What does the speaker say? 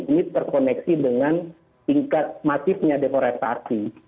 ini terkoneksi dengan tingkat masifnya deforestasi